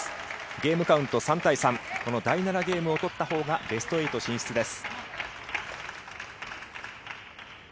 ゲームカウント３対３、この第７ゲームを取ったほうがベスト８進出です。